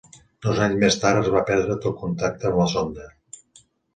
Dos anys més tard es va perdre tot contacte amb la sonda.